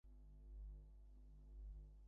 আমি জ্বরের খবর রাখি না!